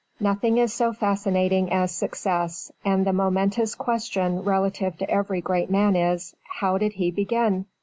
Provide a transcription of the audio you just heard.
Nothing is so fascinating as success, and the momentous question relative to every great man is: "How did he begin?"